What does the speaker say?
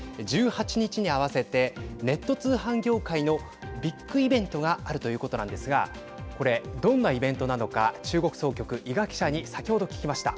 １８日に合わせてネット通販業界のビッグイベントがあるということなんですがこれ、どんなイベントなのか中国総局伊賀記者に、先ほど聞きました。